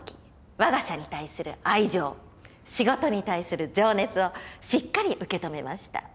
我が社に対する愛情仕事に対する情熱をしっかり受け止めました。